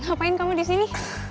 ngapain kamu disini